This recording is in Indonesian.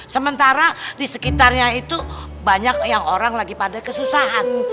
sementara di sekitarnya itu banyak yang orang lagi pada kesusahan